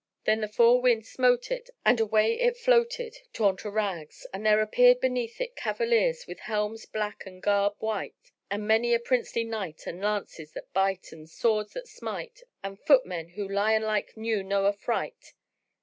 Then the four winds smote it and away it floated, torn to rags, and there appeared beneath it cavaliers, with helms black and garb white and many a princely knight and lances that bite and swords that smite and footmen who lion like knew no affright.